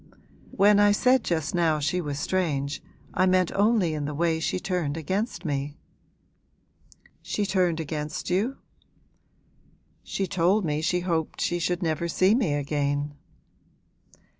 'When I said just now she was strange, I meant only in the way she turned against me.' 'She turned against you?' 'She told me she hoped she should never see me again.'